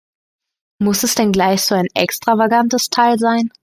Muss es denn gleich so ein extravagantes Teil sein?